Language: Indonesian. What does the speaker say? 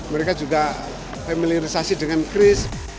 mereka juga familiarisasi dengan chris